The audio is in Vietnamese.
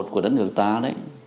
của đất nước ta đấy